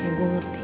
iya gue ngerti